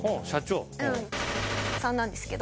さんなんですけど。